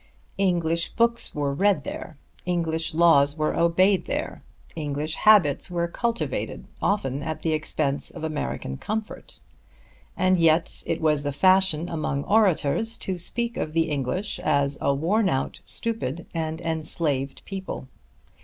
English books were read there; English laws were obeyed there; English habits were cultivated, often at the expense of American comfort. And yet it was the fashion among orators to speak of the English as a worn out, stupid and enslaved people.